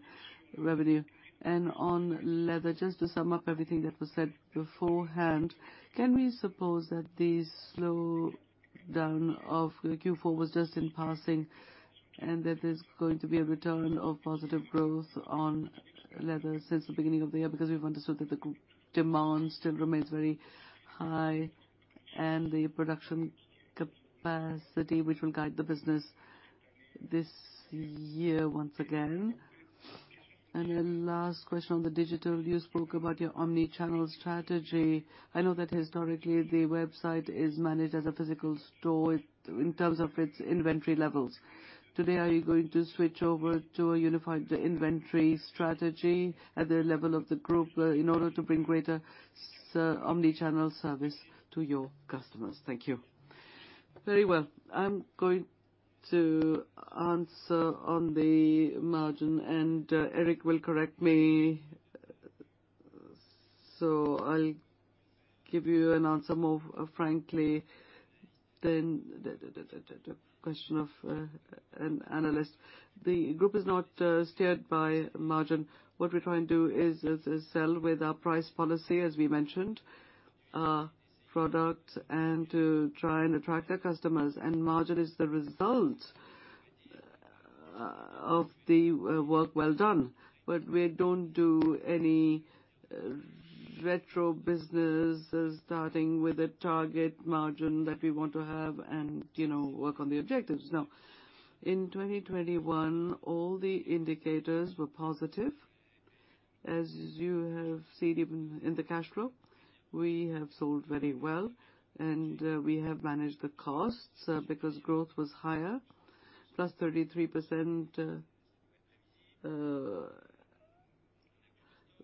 revenue? On leather, just to sum up everything that was said beforehand, can we suppose that the slowdown of Q4 was just in passing, and that there's going to be a return of positive growth on leather since the beginning of the year? Because we've understood that the demand still remains very high and the production capacity which will guide the business this year, once again. Last question on the digital. You spoke about your omni-channel strategy. I know that historically, the website is managed as a physical store in terms of its inventory levels. Today, are you going to switch over to a unified inventory strategy at the level of the group in order to bring greater omni-channel service to your customers? Thank you. Very well. I'm going to answer on the margin, and Éric du Halgouët will correct me. I'll give you an answer more frankly than the question of an analyst. The group is not steered by margin. What we're trying to do is sell with our price policy, as we mentioned, product and to try and attract our customers. Margin is the result of the work well done. We don't do any retro business, starting with a target margin that we want to have and, you know, work on the objectives. Now, in 2021, all the indicators were positive. As you have seen even in the cash flow, we have sold very well, and we have managed the costs because growth was higher, +33%.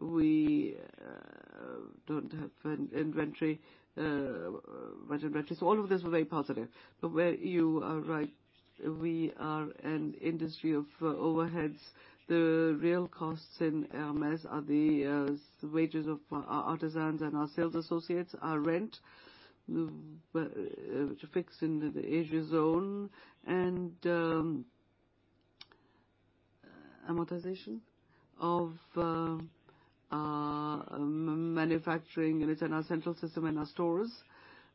We don't have an inventory margin inventory. So all of this was very positive. Where you are right, we are an industry of overheads. The real costs in Hermès are the wages of our artisans and our sales associates, our rent, which are fixed in the Asia zone, and amortization of our manufacturing units in our central system and our stores,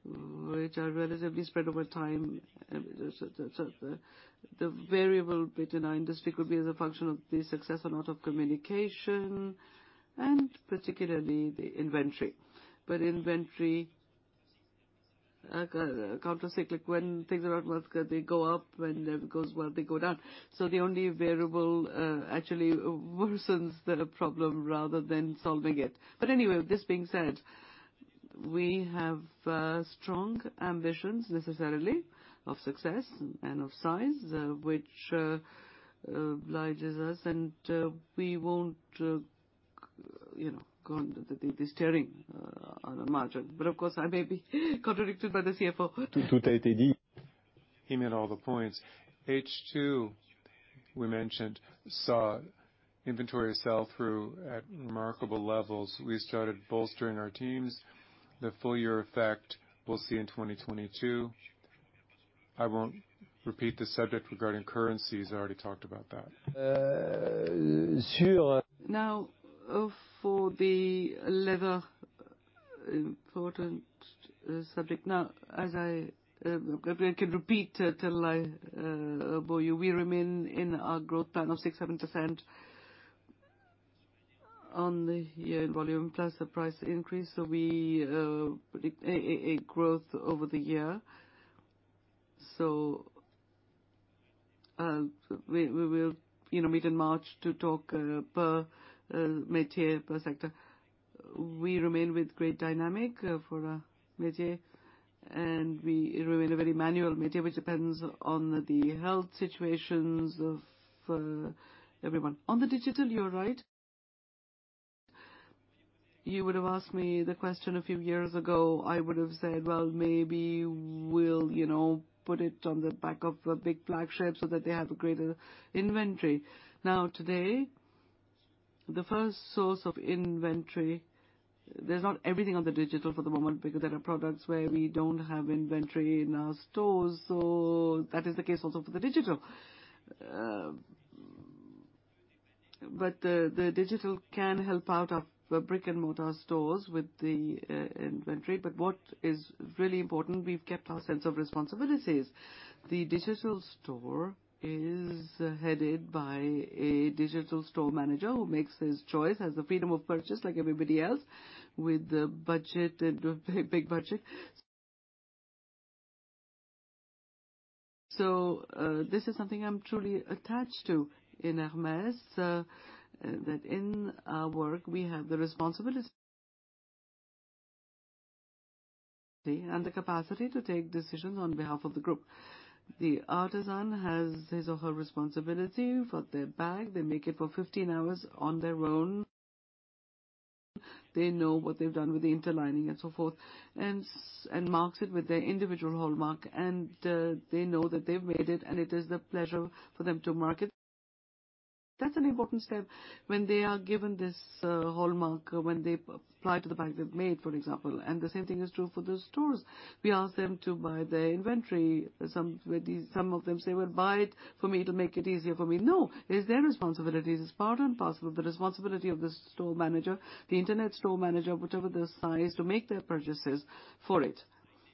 which are relatively spread over time. The variable bit in our industry could be as a function of the success or not of communication, and particularly the inventory. Inventory counter-cyclical, when things are not so good, they go up, when it goes well, they go down. The only variable actually worsens the problem rather than solving it. Anyway, this being said, we have strong ambitions, necessarily, of success and of size, which obliges us, and we won't, you know, go on the steering on a margin. Of course, I may be contradicted by the CFO. He made all the points. H2, we mentioned, saw inventory sell through at remarkable levels. We started bolstering our teams. The full year effect we'll see in 2022. I won't repeat the subject regarding currencies. I already talked about that. Sure. Now for the leather, important subject. I can repeat till I bore you. We remain in our growth plan of 6%-7% on the year volume, plus the price increase. We predict a growth over the year. We will, you know, meet in March to talk per métier, per sector. We remain with great dynamic for a métier, and we remain a very manual métier, which depends on the health situations of everyone. On the digital, you're right. You would have asked me the question a few years ago, I would have said, "Well, maybe we'll, you know, put it on the back of a big flagship so that they have a greater inventory." Now today, the first source of inventory, there's not everything on the digital for the moment because there are products where we don't have inventory in our stores. So that is the case also for the digital. But the digital can help out our brick-and-mortar stores with the inventory. But what is really important, we've kept our sense of responsibilities. The digital store is headed by a digital store manager who makes his choice, has the freedom of purchase like everybody else with a budget, a big budget. So, this is something I'm truly attached to in Hermès. That in our work, we have the responsibility and the capacity to take decisions on behalf of the group. The artisan has his or her responsibility for their bag. They make it for 15 hours on their own. They know what they've done with the interlining and so forth, and marks it with their individual hallmark, and they know that they've made it, and it is the pleasure for them to market. That's an important step when they are given this hallmark, when they apply it to the bag they've made, for example. The same thing is true for the stores. We ask them to buy their inventory. Some of them say, "Well, buy it for me to make it easier for me." No, it is their responsibility. It is part and parcel of the responsibility of the store manager, the internet store manager, whichever the size, to make their purchases for it.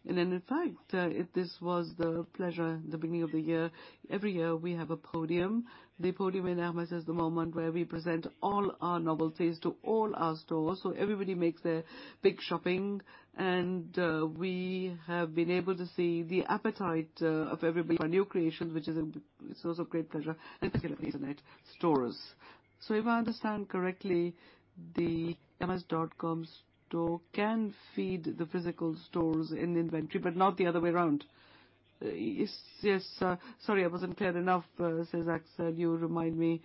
In fact, this was the pleasure at the beginning of the year. Every year, we have a podium. The podium in Hermès is the moment where we present all our novelties to all our stores, so everybody makes their big shopping. We have been able to see the appetite of everybody for new creations, which is a source of great pleasure, and particularly the internet stores. If I understand correctly. The hermes.com store can feed the physical stores in inventory, but not the other way around. Yes, yes, sorry I wasn't clear enough. Says Axel. You remind me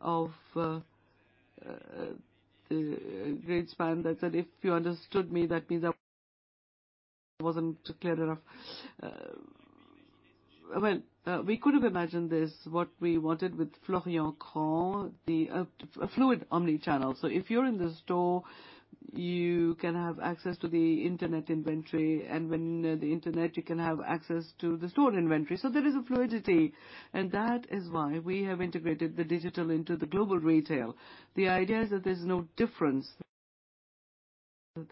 of Greenspan that said, "If you understood me, that means I wasn't clear enough." Well, we could have imagined this, what we wanted with Florian Craen, the fluid omni-channel. If you're in the store, you can have access to the internet inventory, and when you're in the internet, you can have access to the store inventory. There is a fluidity. That is why we have integrated the digital into the global retail. The idea is that there's no difference.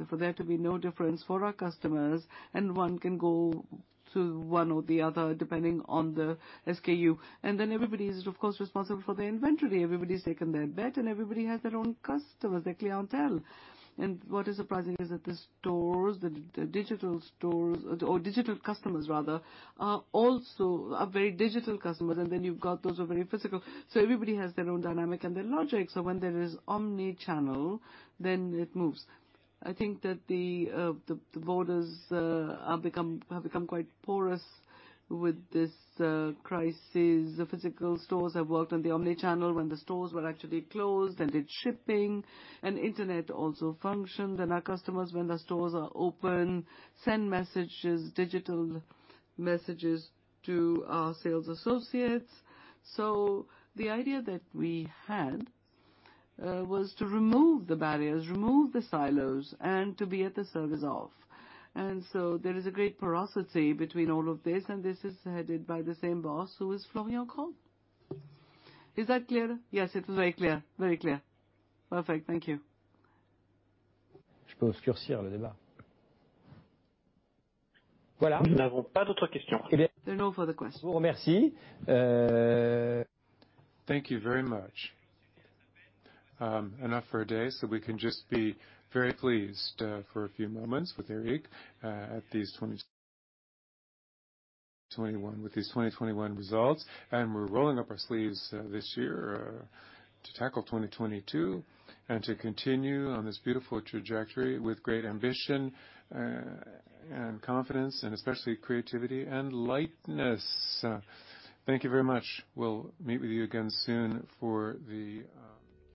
For there to be no difference for our customers, and one can go to one or the other depending on the SKU. Everybody is, of course, responsible for their inventory. Everybody's taken their bet, and everybody has their own customers, their clientele. What is surprising is that the stores, the digital stores, or digital customers rather, are also very digital customers, and then you've got those who are very physical. Everybody has their own dynamic and their logic. When there is omni-channel, then it moves. I think that the borders have become quite porous with this crisis. The physical stores have worked on the omni-channel when the stores were actually closed and did shipping. Internet also functioned. Our customers, when the stores are open, send messages, digital messages to our sales associates. The idea that we had was to remove the barriers, remove the silos, and to be at the service of. There is a great porosity between all of this, and this is headed by the same boss, who is Florian Craen. Is that clear? Yes, it was very clear. Very clear. Perfect. Thank you. There are no further questions. Thank you very much. Enough for today, so we can just be very pleased for a few moments with Éric at these 2021, with these 2021 results. We're rolling up our sleeves this year to tackle 2022, and to continue on this beautiful trajectory with great ambition and confidence, and especially creativity and lightness. Thank you very much. We'll meet with you again soon for the